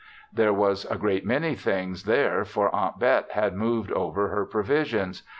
There were a great many things there for Aunt Bet had moved over her provisions.